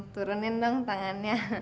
turunin dong tangannya